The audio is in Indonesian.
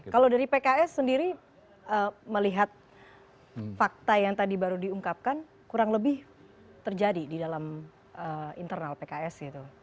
kalau dari pks sendiri melihat fakta yang tadi baru diungkapkan kurang lebih terjadi di dalam internal pks gitu